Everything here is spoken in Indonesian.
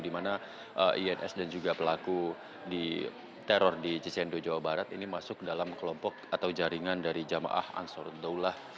di mana ins dan juga pelaku teror di cicendo jawa barat ini masuk dalam kelompok atau jaringan dari jamaah ansur daulah